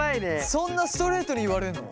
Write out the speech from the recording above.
そんなストレートに言われるの？